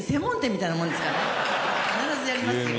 必ずやりますよ